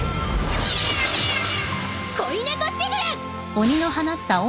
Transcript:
恋猫しぐれ！